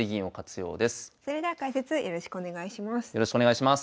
よろしくお願いします。